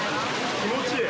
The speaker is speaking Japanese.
気持ちいい。